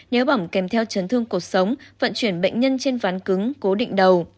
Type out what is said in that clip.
nới bỏng kèm theo chấn thương cuộc sống vận chuyển bệnh nhân trên ván cứng cố định đầu